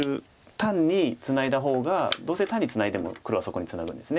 単にツナいだ方がどうせ単にツナいでも黒はそこにツナぐんです。